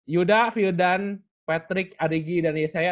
yuda fyudan patrick adegi dan yosaya